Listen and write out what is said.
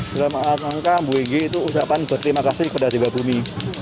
ketika mengadakan buigi itu usapan berterima kasih kepada dewa bumi